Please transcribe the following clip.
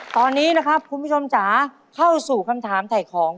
ตอนนี้นะครับคุณผู้ชมจ๋าเข้าสู่คำถามถ่ายของ